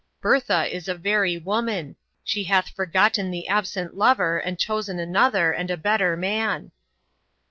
"Bertha is a very woman. She hath forgotten the absent lover, and chosen another, and a better man."